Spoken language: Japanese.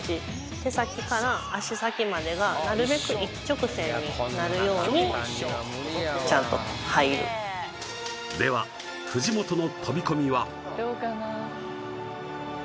手先から足先までがなるべく一直線になるようにちゃんと入るでは藤本の飛び込みはどうかな？